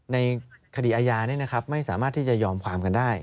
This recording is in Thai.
ในคดีอาญานี้นะครับไม่สามารถที่จะยอมความกันได้